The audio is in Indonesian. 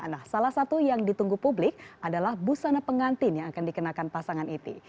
nah salah satu yang ditunggu publik adalah busana pengantin yang akan dikenakan pasangan iti